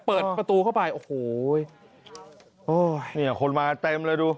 เปิดประตูเข้าไปโอ้โหโอ้ยเนี่ยคนมาเต็มเลยดู